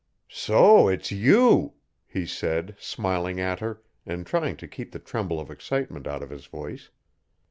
"So it's YOU?" he said, smiling at her and trying to keep the tremble of excitement out of his voice.